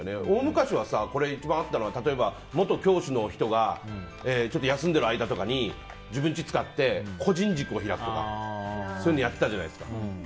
大昔は、一番あったのは例えば、元教師の人が休んでいる間とかに自分の家を使って個人塾を開くとか、そういうのやってたじゃないですか。